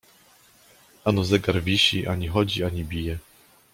Ano, zegar wisi, ani chodzi, ani bije.